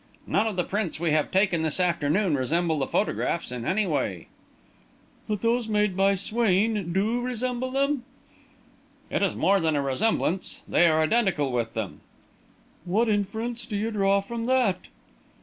"None of the prints we have taken this afternoon resemble the photographs in any way." "But those made by Mr. Swain do resemble them?" "It is more than a resemblance. They are identical with them." "What inference do you draw from that?"